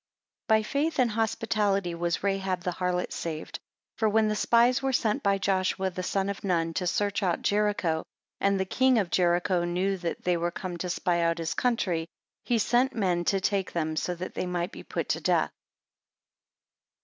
5 By faith and hospitality was Rahab the harlot saved. For when the spies were sent by Joshua the son of Nun to search out Jericho, and the king of Jericho knew that they were come to spy out his country, he sent men to take them, so that they might be put to death.